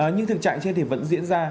nhưng thực trạng trên thì vẫn diễn ra